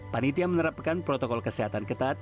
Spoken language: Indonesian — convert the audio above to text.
panitia menerapkan protokol kesehatan ketat